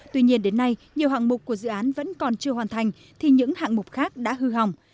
tuy nhiên đến nay nhiều hạng mục của dự án vẫn còn chưa hoàn thành thì những hạng mục khác đã hư hỏng